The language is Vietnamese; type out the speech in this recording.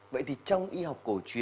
vậy thì trong y học cổ truyền